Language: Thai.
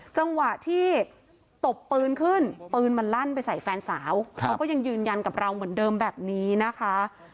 จังหวะที่ตบปืนขึ้นปืนมันลั่นไปใส่แฟนสาวเขาก็ยังยืนยันกับเราเหมือนเดิมแบบนี้นะคะ